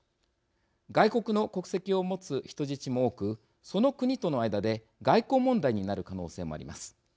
外国の国籍を持つ人質も多くその国との間で外交問題になる可能性もあります。